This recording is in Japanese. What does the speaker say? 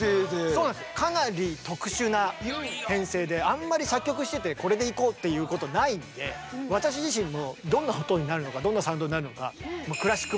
あんまり作曲しててこれでいこうっていうことないんで私自身もどんな音になるのかどんなサウンドになるのか。